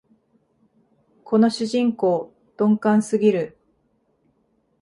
この主人公、鈍感すぎる